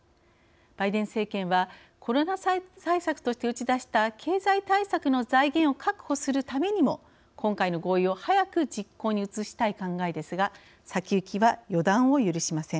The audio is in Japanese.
バイデン政権はコロナ対策として打ち出した経済対策の財源を確保するためにも、今回の合意を早く実行に移したい考えですが先行きは、予断を許しません。